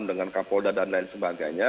dengan kapolda dan lain sebagainya